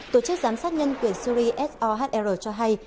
tổ chức giám sát nhân quyền syri sohr cho hay